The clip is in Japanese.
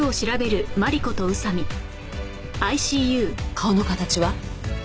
顔の形は？